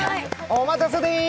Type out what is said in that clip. お待たせです！